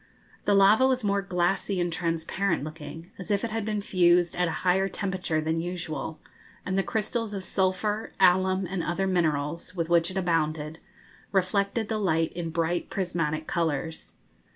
The lava was more glassy and transparent looking, as if it had been fused at a higher temperature than usual; and the crystals of sulphur, alum, and other minerals, with which it abounded, reflected the light in bright prismatic colours.